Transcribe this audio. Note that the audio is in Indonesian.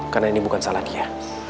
karena ini bukan salah dia